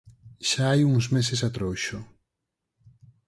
Xa hai uns meses a trouxo.